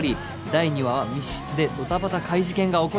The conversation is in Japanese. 第２話は密室でドタバタ怪事件が起こり